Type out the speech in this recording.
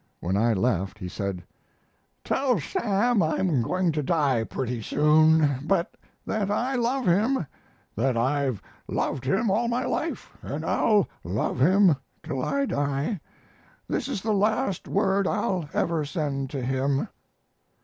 When I left he said: "Tell Sam I'm going to die pretty soon, but that I love him; that I've loved him all my life, and I'll love him till I die. This is the last word I'll ever send to him."